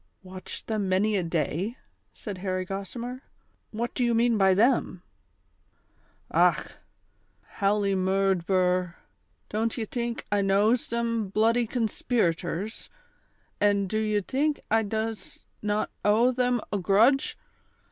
"Watched them many a day?" said Harry Gossimer. " What do you mean by them ?" "Och! howly muixlher, don't ye tink I knows them bluddy conspirators ; an' do ye tink I does not owe them a grudge